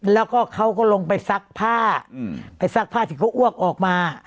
แล้วก็เขาก็ลงไปซักผ้าไปซักผ้าที่เขาอ้วกออกมา